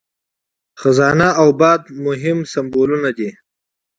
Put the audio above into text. خزانه او باد مهم سمبولونه دي.